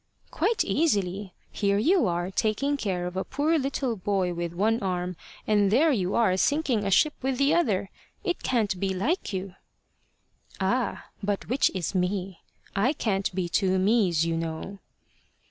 "Quite easily. Here you are taking care of a poor little boy with one arm, and there you are sinking a ship with the other. It can't be like you." "Ah! but which is me? I can't be two mes, you know."